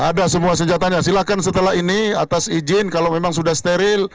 ada semua senjatanya silahkan setelah ini atas izin kalau memang sudah steril